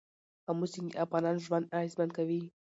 آمو سیند د افغانانو ژوند اغېزمن کوي.